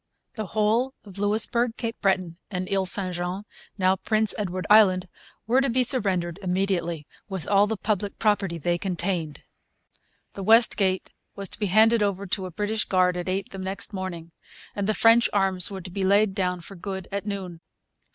The whole of Louisbourg, Cape Breton, and Isle St Jean (now Prince Edward Island) were to be surrendered immediately, with all the public property they contained. The West Gate was to be handed over to a British guard at eight the next morning; and the French arms were to be laid down for good at noon.